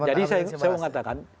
jadi saya mau katakan